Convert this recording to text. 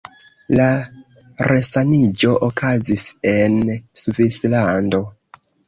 La resaniĝo okazis en Svislando.